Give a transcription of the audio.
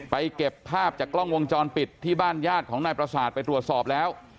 เก็บภาพจากกล้องวงจรปิดที่บ้านญาติของนายประสาทไปตรวจสอบแล้ว